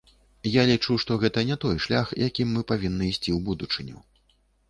Я лічу, што гэта не той шлях, якім мы павінны ісці ў будучыню.